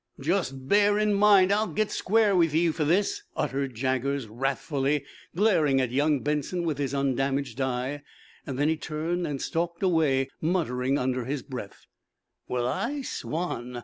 "Just bear in mind, I'll git square with ye for this!" uttered Jaggers, wrathfully, glaring at young Benson with his undamaged eye. Then he turned and stalked away, muttering under his breath. "Well, I swan!"